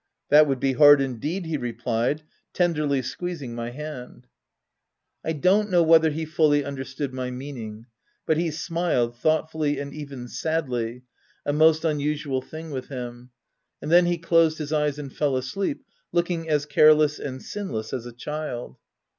"That would be hard indeed !" he replied, tenderly squeezing my hand. I don't know whether he fully understood my meaning, but he smiled — thoughtfully and oven sadly — a most unusual thing with him ;— and then he closed his eyes and fell asleep, look ing as careless and sinless as a child.